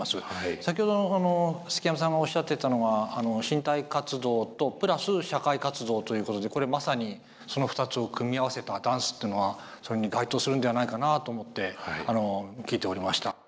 先ほどの積山さんがおっしゃってたのは身体活動とプラス社会活動ということでこれはまさにその２つを組み合わせたダンスってのはそれに該当するのではないかなあと思って聞いておりました。